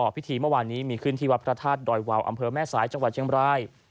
พิธีเมื่อวานนี้มีขึ้นที่วัดพระธาตุดอยวาวอำเภอแม่สายจังหวัดเชียงบราย